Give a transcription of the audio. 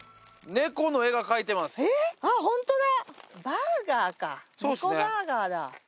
猫バーガーだ。